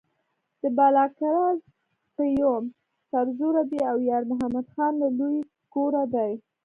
د بالاکرز قیوم سرزوره دی او یارمحمد خان له لوی کوره دی.